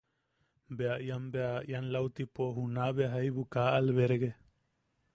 Bea ian bea... ian lautipo juna bea... jaibu kaa alberge.